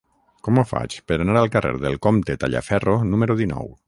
Com ho faig per anar al carrer del Comte Tallaferro número dinou?